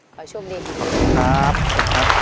ขอชมดีครับขอบคุณครับ